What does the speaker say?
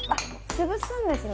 つぶすんですね